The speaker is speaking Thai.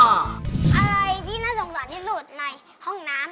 อะไรที่น่าสงสารที่สุดในห้องน้ำ